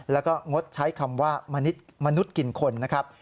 แล้วก็งดใช้คำว่ามนุษย์กินคนนะครับ